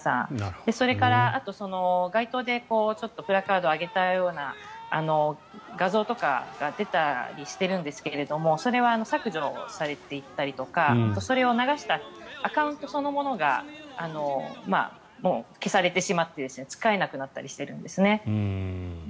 それから、あと街頭でプラカードを上げたような画像とかが出たりしているんですけれどもそれは削除されていったりとかそれを流したアカウントそのものがもう消されてしまって使えなくなったりしているんですね。